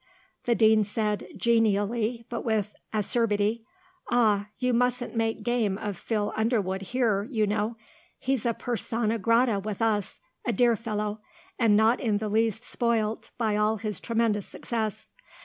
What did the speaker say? The Dean said, genially, but with acerbity, "Ah, you mustn't make game of Phil Underwood here, you know; he's a persona grata with us. A dear fellow. And not in the least spoilt by all his tremendous success.